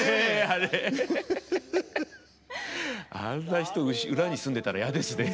あんな人裏に住んでたら嫌ですね。